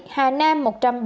hà nam một trăm ba mươi bảy